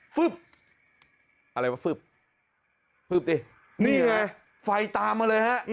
อะไรวะฟึบฟึบสินี่ไงไฟตามมาเลยฮะ